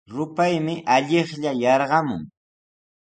Rupaymi allaqlla yarqamun.